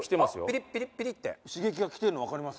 ピリッピリッピリッて刺激がきてるの分かります